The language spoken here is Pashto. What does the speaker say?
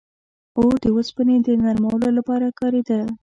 • اور د اوسپنې د نرمولو لپاره کارېده.